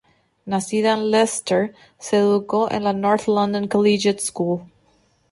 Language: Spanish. Nacida en Leicester, se educó en la North London Collegiate School.